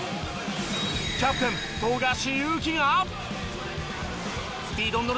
キャプテン富樫勇樹が。